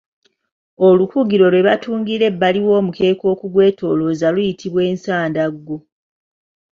Olukugiro lwe batungira ebbali w’omukeeka okugwetoolooza luyitibwa Ensandaggo.